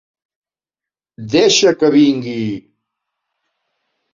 Deixa que vingui.